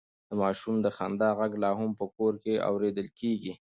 د ماشوم د خندا غږ لا هم په کور کې اورېدل کېږي.